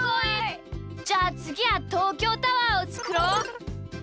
じゃあつぎはとうきょうタワーをつくろう！